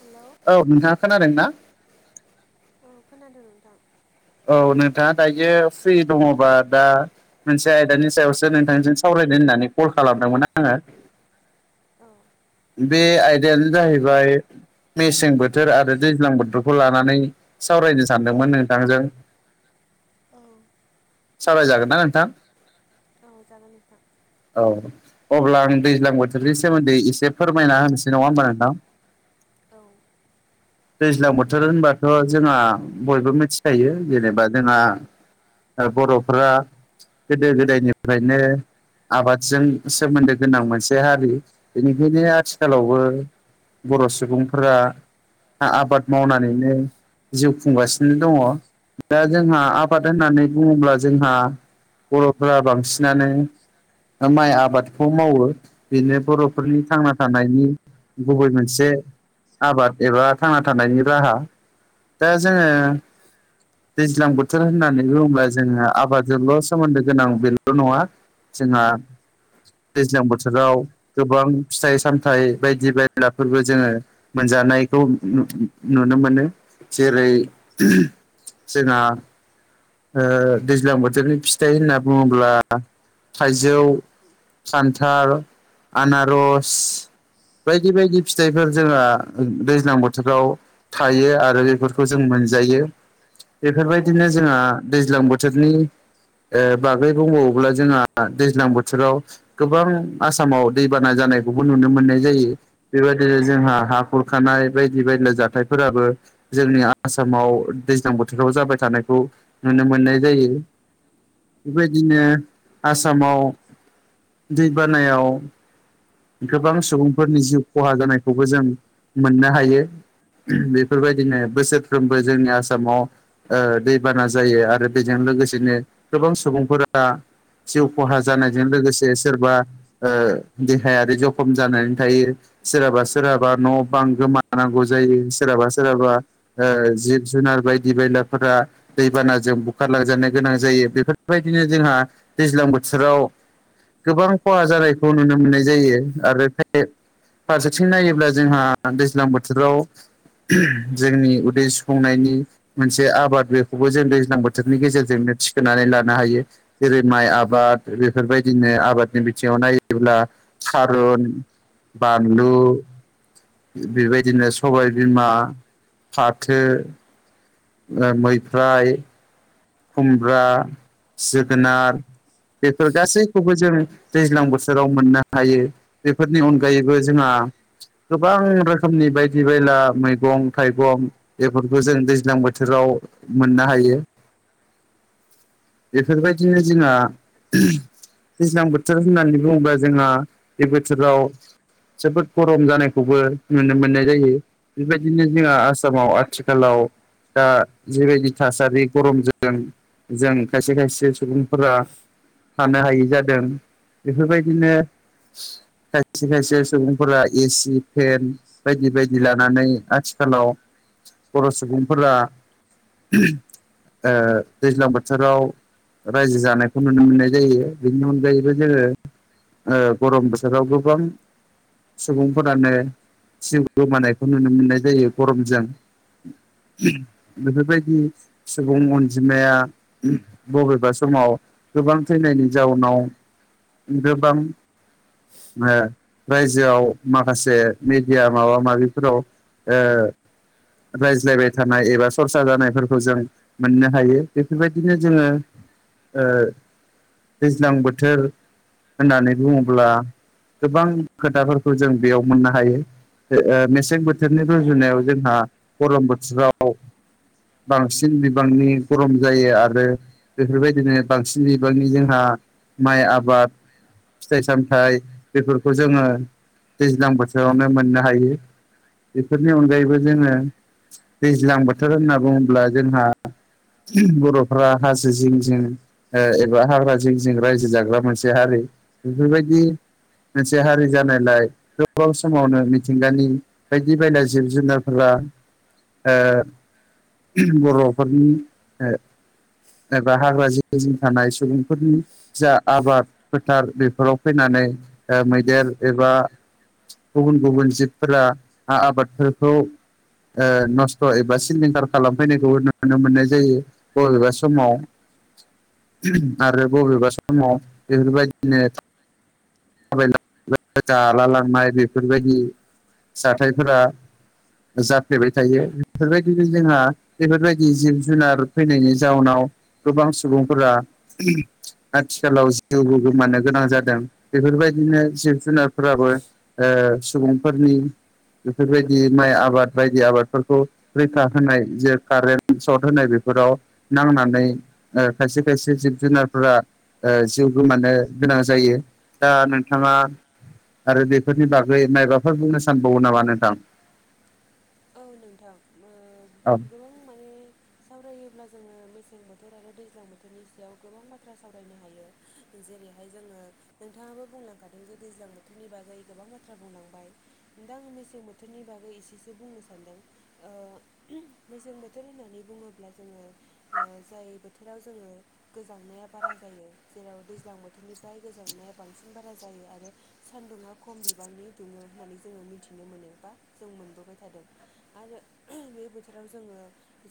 Hello. औ नोंथाङा खोनादों ना? औ खोनादो नोंथां। औ नोंथाङा दायो फ्रि दङबा दा। मोनसे आयदानि सायावसो नोंथांजों सावरायनो होननानै कल खालामदोंमोन आंङो। औ। बे आयदायानो जाहैबाय। मेसें बोथोर आरो दैज्लां बोथोरखौ लानानै सावरायनो सानदोंमोन नोंथांजों। [inaudible] औ। सावरायजागोन ना नोंथां? औ जागोन नोंथां। औ अब्ला आं दैज्लां बोथोरनि सोमोन्दै एसे फोरमायना होनोसै नङा होमबा नोंथां। औ। दैज्लां बोथोर होनबाथ' जोंहा बयबो मोथिखायो जेनेबा जोंहा। ओ बर'फ्रा गोदो गोदायनिफ्रायनो। आबादजों सोमोन्दो गोनां मोनसे हारि बेनिखायनो आथिखालावबो। बर' सुबुंफोरा आ- आबाद मावनानैनो। जिउ खुंगासिनो दंङ दा जोंहा आबाद होननानै बुङोब्ला जोंहा। बर'फोरा बांसिनानो। ओ माइ आबादखौ मावो बिदिनो बर'फोरनि थांना थानायनि। गुबै मोनसे आबाद एबा थांना थानायनि राहा। दा जोङो। दैज्लां बोथोर होननानै बुङोब्ला जोङो आबादजोंल' सोमोन्दो गोनां बेल' नङा। जोंहा दैज्लां बोथोराव गोबां फिथाइ सामथाइ बायदि बायलाफोरबो जोङो। मोनजानायखौ नुनो मोनो जेरै [unintelligible] जोंहा। ओ दैज्लां बोथोरनि फिथाइ होनना बुङोब्ला आ थाइजौ। सान्थाल, आनारस। बायदि बायदि फिथाइफोर जोंहा दैज्लां बोथोराव थायो आरो बेफोरखौ जों मोनजायो बेफोरबायदिनो जोंङो दैज्लां बोथोरनि ओ बागै बुंबावोब्ला जोंहा दैज्लां बोथोराव गोबां आसामाव दैबाना जानायखौबो नुनो मोननाय जायो बेबायदि जोंहा हाखुरखानाय बायदि बायला जाथायफोराबो जोंनि आसामाव दैज्लां बोथोराव जाबाय थानायखौ नुनो मोननाय जायो। बेबायदिनो आसामाव दैबानायाव गोबां सुबुंफोरनि जिउ खहा जानायखौबो जों मोननो हायो बेफोरबायदिनो बोसोरफ्रोमबो जोंनि आसामाव ओ दैबाना जा जायो आरो बेजों लोगोसेनो गोबां सुबुंफोरा जिउ खहा जानायजों लोगोसे सोरबा ओ देहायारि जखम जानानै थायो। सोरहाबा सोरहाबा न' बां गोमानांगौ जायो सोरहाबा सोरहाबा ओ जिब जुनार बायदि बायलाफोरा दैबानाजों बुखारलांजानो गोनां जायो बेफोरबायदिनो जोंहा दैज्लां बोथोराव गोबां खहा जानायखौ नुनो मोननाय जायो आरो फारसेथिं नायोब्ला जोंहा दैज्लां बोथोराव जोंनि उदै सुफुंनायनि मोनसे आबाद बे खौबो जों दैज्लां बोथोरनि गेजेरजोंनो थिखोनानै लानो हायो। जेरै माइ आबाद बेफोरबायदिनो आबादनि बिथिङाव नायोब्ला सारुन बानलु बेबायदिनो सबायबिमा फाथो ओ मैफ्राय खुमब्रा जोगोनार बेफोर गासैखौबो जों दैज्लां बोथोराव मोननो हायो। बेफोरनि अनगायैबो जोंहा गोबां रोखोमनि बायदि बायला मैगं थाइगं बेफोरखौ जों दैज्लां बोथोराव मोननो हायो बेफोरबायदिनो जोंहा दैज्लां बोथोर होननानै बुङोबा जोंहा बे बोथोराव जोबोद गरम जानायखौबो नुनो मोननाय जायो बेबायदिनो जोंहा आसामाव आथिखालाव दा जिबायदि थासारि गरमजों जों खायसे खायसे सुबुंफोरा थानो हायै जादों बेफोरबायदिनो खायसे खायसे सुबुंफोरा एसि फेन बायदि बायदि लानानै आथिखालाव बर' सुबुंफोरा ओ दैज्लां बोथ थोराव रायजो जानायखौ नुनो मोननाय जायो बेनि अनगायैबो जोङो ओ गरम बोथोराव गोबां सुबुंफोरानो जिउ गोमानायखौ नुनो मोननाय जायो गरमजों। बेफोरबायदि सुबुं अनजिमाया -बबेबा समाव गोबां थैनायनि जाउनाव गोबां ओ रायजोआव माखासे मेदिया माबा माबिफोराव ओ रायज्लायबाय थानाय एबा सरसा जानायफोरखौ जों मोननो हायो बेफोरबायदि बिदिनो जोङो ओ दैज्लां बोथोर होननानै बुङोब्ला गोबां खोथाफोरखौ जों बेयाव मोननो हायो। ओ मेसें बोथोरनि रुजुनायाव जोंहा गरम बोथोराव। बांसिन बिबांनि गरम जायो आरो रो बेफोरबायदिनो बांसिन बिबांनि जोंहा माइ आब बाद फिथाइ सामथाइ। बेफोरखौ जोङो दैज्लां बोथोरावनो मोननो हायो। बेफोरनि अनगायैबो जोङो दैज्लां बोथोर होनना बुङोब्ला जोंहा बर' फ्रा हाजो जिं जिं एबा हाग्रा जिं जिं रायजो जाग्रा मोनसे हारि। बेफोरबायदि मोनसे हारि जानायलाय गोबाव समावनो मिथिंगानि बायदि बायला जिब जुनारफोरा ओ बर'फोरनि ओ एबा हाग्रा जिं जिं थानाय सुबुंफोरनि जा आबाद फोथार बेफोराव फैनानै मैदेर एबा गुबुन गुबुन जिबफोरा आबादफोरखौ ओ नस्थ' एबा सिलिंखार खालामफैनायखौबो नुनो मोननाय जायो बबेबा समाव आरो बबेबा समाव बेफोरबायदिनो थाबाय जाला लांनाय बेफोरबायदि जाथायफोरा जाफ्लेबाय थायो बेफोरबायदिनो जोंहा बेफोरबायदि जिब जुनार फैनायनि जाउनाव गोबां सुबुंफोरा आथिखालाव जिउबो गोमानो गोनां जादों बेफोरबायदिनो जिब जुनारफोराबो ओ सुबुंफोरनि बेफोरबायदि माइ आबाद बायदि आबादफोरखौ रैखा होनाय जे कारेन्ट सर्ट होनाय बेफोराव नांनानै ओ खायसे खायसे जिब जुनारफोरा ओ जिउ गोमानो गोनां जायो दा नोंथाङा आरो बेफोरनि बागै मायबाफोर बुंनो सानबावो नामा नोंथां? औ नोंथां ओ औ गोबां माने सावरायोब्ला जोङो मेसें बोथोर आरो दैज्लां बोथोरनि सायाव गोबां बाथ्रा सावरायनो हायो। जेरैहाय जोङो नोंथाङाबो बुंलांखादों जे दैज्लां बोथोरनि बागै गोबां बाथ्रा बुंलांबाय। दा आङो मेसें बोथोरनि बागै एसेसो बुंनो सानदों। ओ सें बोथोर होननानै बुङोब्ला जोङो ओ जाय बोथोराव जोङो गोजांनाया बारा जायो जेराव दैज्लां बोथोरनिफ्राय गोजांनाया बांसिन बारा जायो आरो सान्दुङा खम बिबांनि दुङो होननानै जोङो मिथिनो मोनो बा जों मोनबोबाय थादों आरो बे बोथोराव जोङो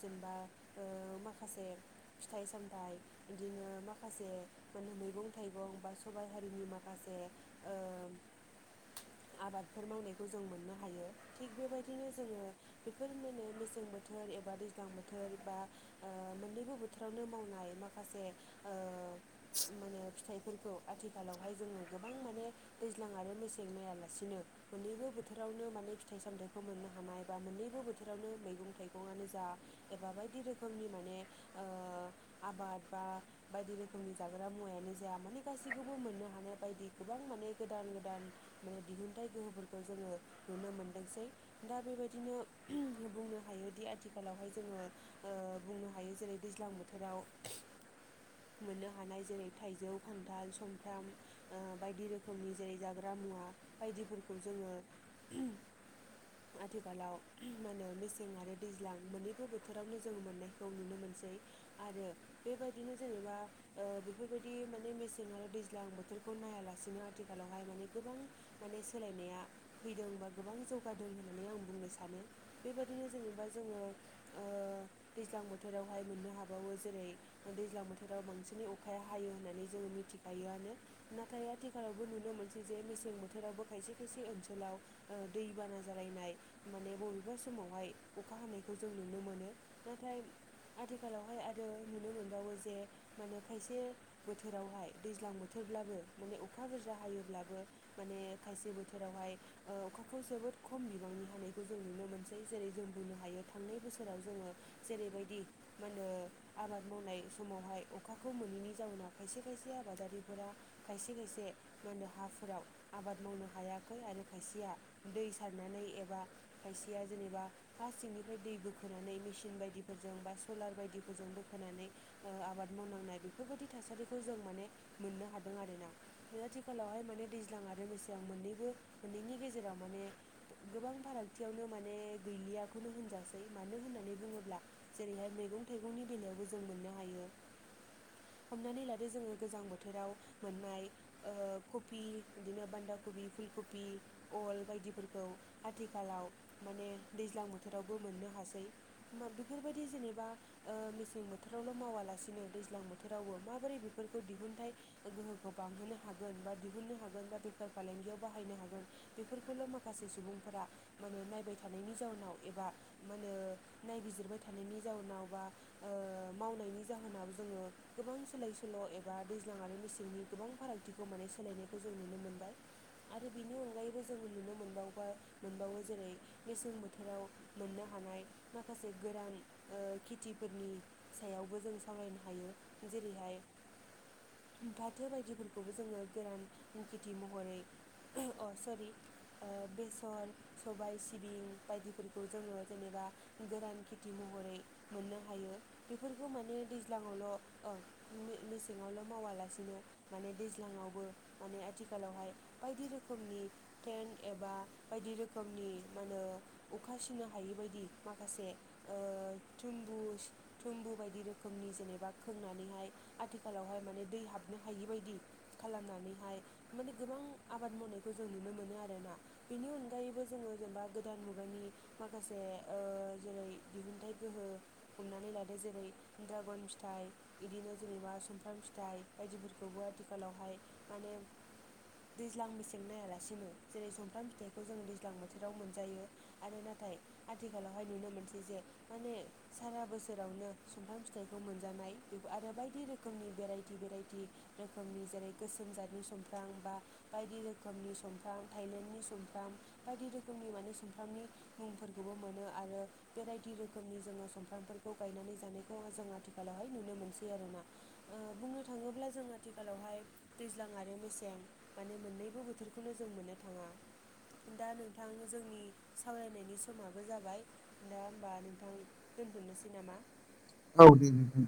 जेनेबा ओ माखासे फिथाइ सामथाइ बिदिनो माखासे माने मैगं थाइगं बा सबाइ हारिनि माखासे ओम आबादफोर मावनायखौ जों मोननो हायो थिग बेबायदि बिदिनो जोङो बेफोर मोननो मेसें बोथोर एबा दैज्लां बोथोर बा ओ मोननैबो बोथोरावनो मावनाय माखासे ओ माने फिथाइफोरखौ आथिखालावहाय गोबां माने दैज्लां आरो मेसें नायालासिनो मोननैबो बोथोरावनो माने फिथाइ सामथाइ खौ मोननो हानाय बा मोननैबो बोथोरावनो मैगं थाइगंआनो जा एबा बायदि रोखोमनि माने ओ आबाद बा बायदि रोखोमनि जाग्रा मुवायानो जाया माने गासैखौबो मोननो हानाय बायदि गोबां माने गोदान गोदान माने दिहुनथाइ गोहोफोरखौ जोङो नुनो मोनदोंसै दा बेबायदिनो बुंनो हायोदि आथिखालावहाय जोङो ओ बुंनो हायो जेरै दैज्लां बोथोराव मोननो हानाय जेरै थाइजौ खान्थाल सुमफ्राम ओ बायदि रोखोमनि जेरै जाग्रा मुवा बायदिफोरखौ जोङो आथिखालाव मा होनो मेसें आरो दैज्लां मोननैबो बोथोरावनो जोंङ मोननायखौ नुनो मोनसै आरो बेबायदिनो जेनेबा ओ बेफोरबायदि माने मेसें आरो दैज्लां बोथोरखौ नायालासिनो आथिखालावहाय माने गोबां माने सोलायनाया फैदों बा गोबां जौगादों होनो होनै आं बुंनो सानो बेबायदिनो जेनेबा जोङो ओ दैज्लां बोथोरावहाय मोननो हाबावो जेरै ओ दैज्लां बोथोराव बांसिनै अखाया हायो होननानै जोङो मिथिखायोआनो नाथाय आथिखालावबो नुनो मोनसै जे मेसें बोथोरावबो खायसे खायसे ओनसोलाव ओ दैबाना जालायनाय माने बबेबा समावहाय अखा हानायखौ जों मोनो नाथाय आथिखालावहाय आरो नुनो मोनबावो जे मानो खायसे बोथोरावहाय दैज्लां बोथोरब्लाबो माने अखा बुरजा हायोब्लाबो माने खायसे बोथोरावहाय ओ अखाखौ जोबोद खम बिबांनि हानायखौ जों नुनो मोनसै जेरै जों बुंनो हायो थांनाय बोसोराव जोङो जेरैबायदि मानो आबाद मावनाय समावहाय अखाखौ मोनैनि जाउनाव खायसे खायसे आबादारिफोरा खायसे खायसे मा होनो हाफोराव आबाद मावनो हायाखै आरो खायसेया दै सारनानै एबा खायसेया जेनेबा फा सिंनिफ्राय दै बोखोनानै मिसिन बायदिफोरजों बा सलार बायदिफोरजों बोखोनानै ओ आबाद मावनांनाय बेफोरबायदि थासारिखौ जों माने मोननो हादों आरोना नो आथिखालावहाय माने दैज्लां आरो मेसें मोननैबो मोननैनि गेजेराव माने गोबां फारागथियावनो माने गैलियाखौनो होनजासै मानो होननानै बुङोब्ला जेरैहाय मैगं थाइगंनि बेलायावबो जों मोननो हायो हमनानै लादो जोङो गोजां बोथोराव मोननाय ओ कबि बिदिनो बान्दा कबि फुल कबि अल बायदि फोर खौ आथिखालाव माने दैज्लां बोथोरावबो मोननो हासै मा बेफोरबायदि जेनेबा ओ मेसें बोथोरावल' मावालासिनो दैज्लां बोथोरावबो माबोरै बेफोरखौ दिहुनथाइ ओ गोहोखौ बांहोनो हागोन बा दिहुननो हागोन बा बेफार फालांगियाव बाहायनो हागोन बेफोरखौल' माखासे गासै सुबुंफोरा माने नायबाय थानायनि जाउनाव एबा मा होनो नायबिजिरबाय थानायनि जाउनाव बा ओ मावनायनि जाहोनाव जोङो गोबां सोलाय सोल' एबा दैज्लां आरो मेसेंनि गोबां फाराग थिखौ माने सोलायनायखौ जों नुनो मोनबाय आरो बिनि अनगायैबो जों नुनो मोन मोनबावबा मोनबावो जेरै मेसें बोथोराव मोननो हानाय माखासे गरान खेथिफोरनि सायावबो जों सावरायनो हायो जेरैहाय फाथो बायदिफोरखौबो जोङो गोरान खेथि महरै ओ अ सरि ओ बेसर सबाय सिबिं बायदिफोरखौ जोङो जेनेबा गोरान खेथि महरै मोननो हायो बेफोरखो माने दैज्लाङावल' ओ मे-मेसेंआवल' मावालासेनो माने दैज्लां आवबो माने आथिखालावहाय बायदि रोखोमनि टेन एबा बायदि रोखोमनि मा होनो अखा सिनो हायि बायदि माखासे ओ थुमबुस थुम्बु बायदि रोखोमनि जेनेबा खोंनानैहाय आथिखालावहाय माने दै हाबनो हायि बायदि खालामनानैहाय माने गोबां आबाद मावनायखौ जों नुनो मोनो आरोना। बेनि अनगायैबो जोङो जेनेबा गोदान मुगानि माखासे ओ जेरै दिहुनथाइ गोहो हमनानै लादो जेरै ड्रागन फिथाइ इदिनो जेनेबा सुमफ्राम फिथाइ बायदिफोरखौबो आथिखालाव हाय माने दैज्लां मेसें नायालासिनो जेरै समफ्राम फिथाइखौ जों दैज्लां बोथोराव मोनजायो आरो नाथाय आथिखालावहाय नुनो मोनसै जे माने सारा बोसोरावनो सुमफ्राम फिथाइखौ मोनजानाय बे आरो बायदि रो खोमनि बेेराइटि बेेराइटि रोखोमनि जेरै गोसोम जादनि सुमफ्रां बा बायदि रोखोमनि सुमफ्राम थायलेण्डनि सुमफ्राम बायदि रोखोमनि माने सुमफ्रामनि मुंफोरखौबो मोनो आरो बेबायदि रोखोमनि जोङो सुमफ्रामफोरखौ गायनानै जानायखौ जों आथिखालावहाय नुनो मोनसै आरोना। ओ बुंनो थाङोब्ला जों आथिखालाव हाय दैज्लां आरो मेसें माने मोननैबो बोथोरखौनो जों मोननो थाङा। दा नोंथां जोंनि सावरायनायनि समाबो जाबाय। दा होमबा नोंथां दोनथ'नोसै नामा? औ दे दे।